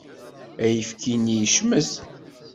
Ayefki-nni yecmet.